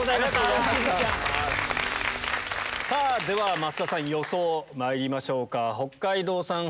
増田さん予想まいりましょうか。